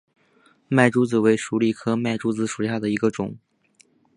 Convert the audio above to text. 麦珠子为鼠李科麦珠子属下的一个种。